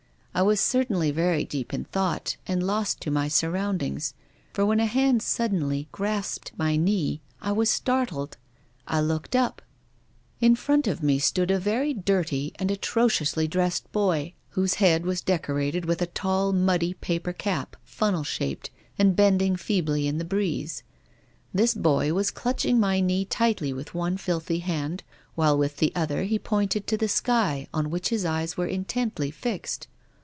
I was certainly very deep in thought and lost to my surroundings, for when a hand suddenly grasped my knee I was startled. I looked up. In front of mc stood a 28 TONGUES OF CONSCIENCE. very dirty and atrociously dressed boy, whose head was decorated with a tall, muddy paper cap, funnel shaped and bending feebly in the breeze. This boy was clutching my knee tightly with one filthy hand, while with the other he pointed to the sky on which his eyes were in tently fixed.